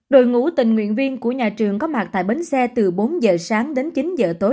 đội ngũ tình nguyện viên của nhà trường có mặt tại bến xe từ bốn giờ sáng đến chín giờ tối